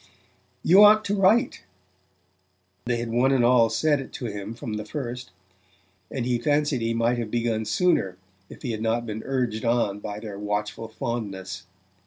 "You ought to write"; they had one and all said it to him from the first; and he fancied he might have begun sooner if he had not been urged on by their watchful fondness.